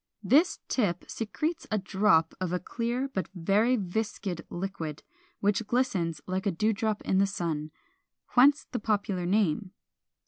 This tip secretes a drop of a clear but very viscid liquid, which glistens like a dew drop in the sun; whence the popular name.